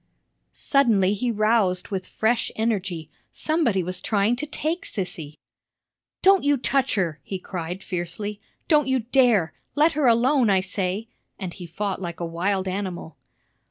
Suddenly he roused with fresh energy. Somebody was trying to take Sissy. "Don't you touch her!" he cried, fiercely. "Don't you dare! Let her alone, I say!" and he fought like a wild animal.